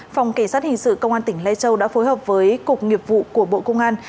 phòng kỳ sát hình sự công an tỉnh lai châu đã phối hợp với cục nghiệp vụ của bộ công an